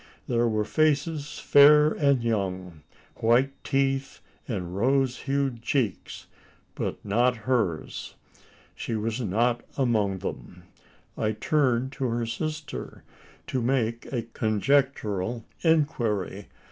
There were faces fair and young white teeth and rose hued cheeks but not hers. She was not among them! I turned to her sister to make a conjectural inquiry.